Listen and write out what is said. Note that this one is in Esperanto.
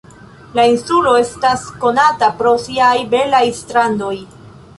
La insulo estas konata pro siaj belaj strandoj.